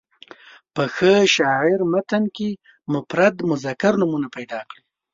په ښه شاعر متن کې مفرد مذکر نومونه پیدا کړي.